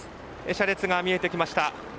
車列が見えてきました。